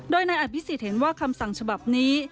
โดยนายอภิษฎเห็นว่าคำสั่งฉบับนี้